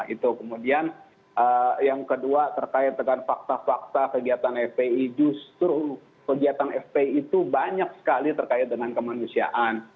itu kemudian yang kedua terkait dengan fakta fakta kegiatan fpi justru kegiatan fpi itu banyak sekali terkait dengan kemanusiaan